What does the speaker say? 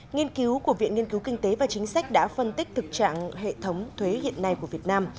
nghiên cứu của viện nghiên cứu kinh tế và chính sách đã phân tích thực trạng hệ thống thuế hiện nay của việt nam